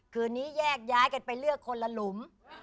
คืนนี้แยกย้ายกันไปเลือกคนละหลุม